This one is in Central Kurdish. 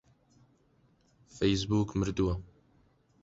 فەیسبووک مردووە.